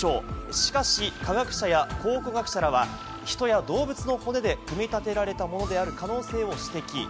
しかし科学者や考古学者らは、人や動物の骨で組み立てられたものである可能性を指摘。